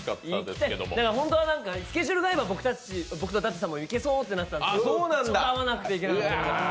本当はスケジュールが合えば僕と舘様も行けそうってなったんですけどちょっと合わなくて行けなかった。